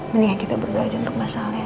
mendingan kita bergajeng ke masalah ya